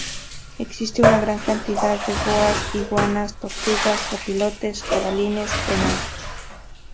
Existe una gran cantidad de: boas, iguanas, tortugas, zopilotes, jabalíes, venados.